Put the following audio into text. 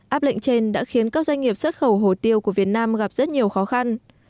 áp lệnh trên đã khiến các doanh nghiệp xuất khẩu hồ tiêu của việt nam gặp rất nhiều khó khăn